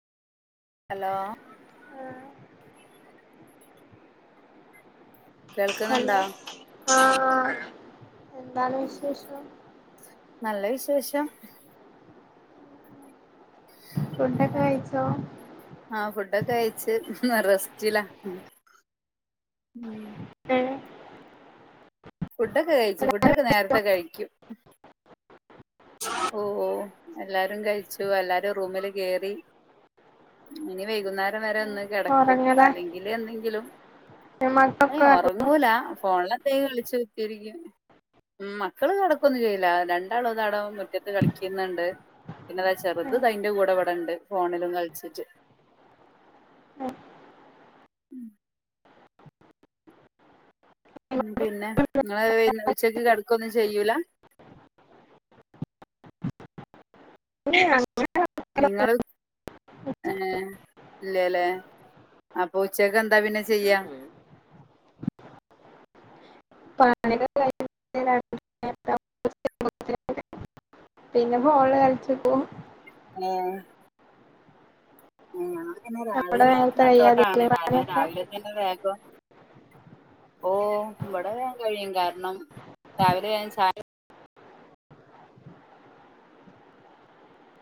Hello ആഹ [inaudible] കേൾക്കുന്നുണ്ടോ hello ആഹ എന്താണ് വിശേഷം നല്ല വിശേഷം ഫുഡ്ഒക്കെ തന്നെ കഴിച്ചോ ആഹ് ഫുഡൊക്കെ കഴിച്ച് റസ്റ്റില ഉ [inaudible] ഫുഡ്ക്കെ കഴിച്ചു. ഫുഡ്ക്കെ നേരത്തെ കഴിക്കും. ഓ എല്ലാരും കഴിച്ചു. എല്ലാരും റൂമില് കേറി. ഇനി വൈകുന്നേരം വരെ ഒന്നും കെടക്കും ഉറങ്ങല അല്ലെങ്കിൽ എന്തെങ്കിലും ആഹ് മക്കളൊക്കെ ഒറങ്ങൂല്ല ഫോണിലത്തേ കളിച്ചു [inaudible] ഉം മക്കൾ കിടക്കൊന്നും ചെയ്യില്ല രണ്ടാളും മുറ്റത്ത് കളിക്കുന്നുണ്ട്. പിന്നെതാ ചെറുത് എന്റെ കൂടെ ഇവിടെണ്ട് ഫോണിലും കളിച്ചിട്ട് ഉം ഉം പിന്നെ നിങ്ങൾ ഉച്ചക്ക് കിടക്കൊന്നും ചെയ്യൂല [inaudible] നിങ്ങൾ ഏ ല്ലല്ലേ അപ്പൊ ഉച്ചക്ക് എന്താ പിന്നെ ചെയ്യാ പ [inaudible] പിന്നെ ഫോൺ കളിച്ച്ക്കും ഏ [unintelligible] പിന്നെ നമ്മുടെ രാവിലെ നേരത്തെ നച്ചോട്ടാണ് കഴിയാതില്ലേ കാരണം. പണിയൊക്കെ രാവിലെ തന്നെ വേഗം ഓ ഇവിടെ വേൻ കഴിയും. കാരണം രാവിലെ വേഗം ചായ